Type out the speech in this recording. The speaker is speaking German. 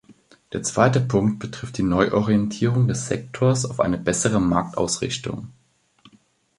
Der zweite Punkt betrifft die Neuorientierung des Sektors auf eine bessere Marktausrichtung.